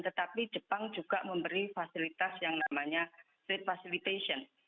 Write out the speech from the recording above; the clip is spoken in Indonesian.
tetapi jepang juga memberi fasilitas yang namanya trade facilitation